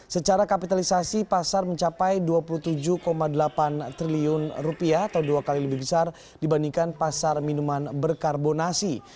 secara kapitalisasi pasar mencapai rp dua puluh tujuh delapan triliun rupiah atau dua kali lebih besar dibandingkan pasar minuman berkarbonasi